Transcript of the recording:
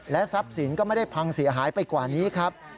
ทรัพย์สินก็ไม่ได้พังเสียหายไปกว่านี้ครับ